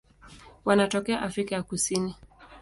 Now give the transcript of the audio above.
Wanatokea Afrika ya Kusini.